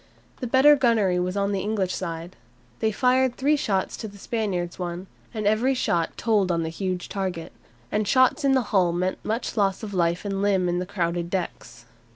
The better gunnery was on the English side. They fired three shots to the Spaniards' one, and every shot told on the huge target. And shots in the hull meant much loss of life and limb in the crowded decks.